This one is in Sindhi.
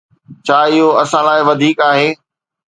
ڇا اهو اسان لاء وڌيڪ آهي؟